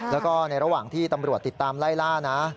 แล้วก็ในระหว่างที่ตำรวจติดตามไล่ล่านะ